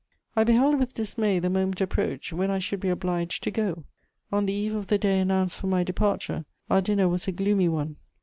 I beheld with dismay the moment approach when I should be obliged to go. On the eve of the day announced for my departure, our dinner was a gloomy one.